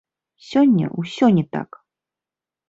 Сёння ўсё не так.